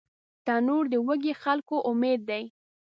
تنور د وږي خلکو امید دی